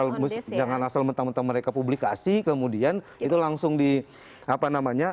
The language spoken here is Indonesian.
kalau jangan asal mentang mentang mereka publikasi kemudian itu langsung di apa namanya